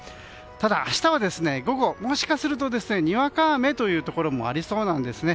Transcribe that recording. ただ、明日は午後もしかするとにわか雨のところもありそうなんですね。